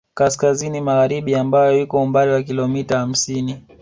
Kaskazini magharibi ambayo iko umbali wa kilomita hamsini